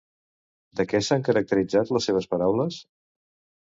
De què s'han caracteritzat les seves paraules?